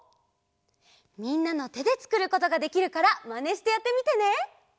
みんなのてでつくることができるからマネしてやってみてね！